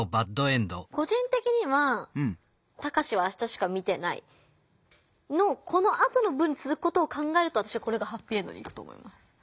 個人的には「タカシは明日しか見てない」のこのあとの文につづくことを考えるとこれがハッピーエンドにいくと思います。